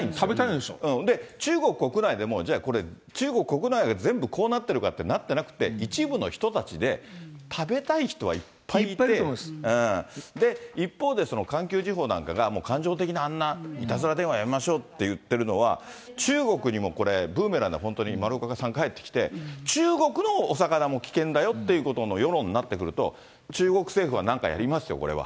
んで、中国国内でもじゃあこれ、中国国内が全部こうなってるかっていうと、なってなくて、一部の人たちで、食べたい人はいっぱいいて、で、一方で環球時報なんかが感情的なあんないたずら電話やめましょうっていってるのは、中国にもこれ、ブーメランで、本当に丸岡さん、返ってきて、中国のお魚も危険だよということの世論になってくると、中国政府はなんかやりますよ、これは。